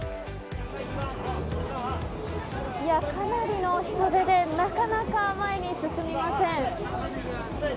かなりの人出でなかなか前に進みません。